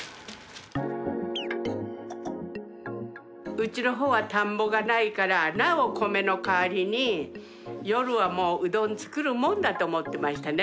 うちの方は田んぼがないからなお米の代わりに夜はもううどん作るもんだと思ってましたね。